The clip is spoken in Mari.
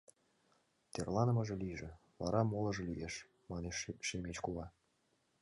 — Тӧрланымыже лийже, вара молыжо лиеш, — манеш Шемеч кува.